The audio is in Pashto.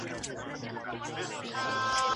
ګلونه شهیدان مو دي راوړي له جرګې نه